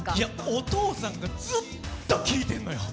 お父さんがずっと聴いてるのよ。